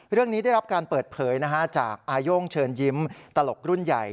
ได้รับการเปิดเผยจากอาโย่งเชิญยิ้มตลกรุ่นใหญ่